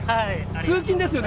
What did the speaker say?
通勤ですよね？